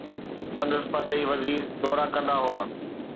سندس پرڏيهي وزير دورا ڪندا هئا.